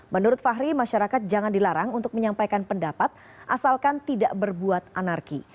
menurut fahri masyarakat jangan dilarang untuk menyampaikan pendapat asalkan tidak berbuat anarki